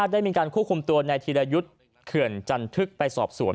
ได้มีการควบคุมตัวในธีรยุทธ์เขื่อนจันทึกไปสอบสวน